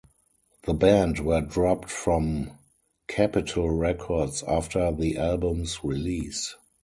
The band were dropped from Capitol Records after the album's release.